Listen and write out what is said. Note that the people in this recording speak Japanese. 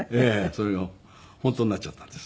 それが本当になっちゃったんです。